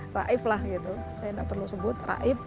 saya nggak perlu sebut raif